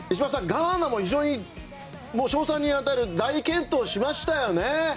ガーナも非常に称賛に値する大健闘をしましたよね。